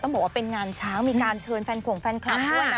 บอกว่าเป็นงานช้างมีการเชิญแฟนขวงแฟนคลับด้วยนะ